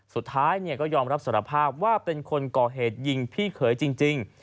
สุดท้ายก็ยอมรับสารภาพว่าเป็นคนก่อเหตุยิงพี่เขยจริง